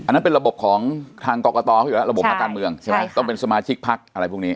นั่นเป็นระบบของทางกรกตเขาอยู่แล้วระบบพักการเมืองใช่ไหมต้องเป็นสมาชิกพักอะไรพวกนี้